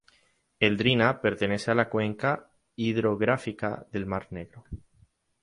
El Drina pertenece a la cuenca hidrográfica del Mar Negro.